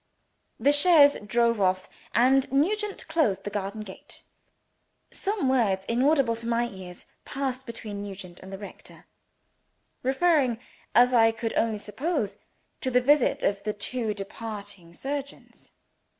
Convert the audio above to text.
The chaise drove off; and Nugent closed the garden gate. Some words, inaudible to my ears, passed between Nugent and the rector referring, as I could only suppose, to the visit of the two departing surgeons.